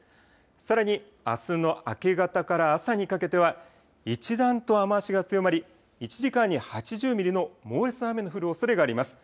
さらにあすの明け方から朝にかけては、一段と雨足が強まり、１時間に８０ミリの猛烈な雨の降るおそれがあります。